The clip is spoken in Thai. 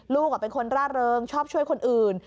ลูกเป็นคนร่าเริงชอบช่วยคนอื่น